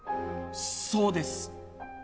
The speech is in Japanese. そうです。